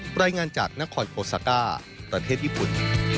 รายงานจากนครโอซาก้าประเทศญี่ปุ่น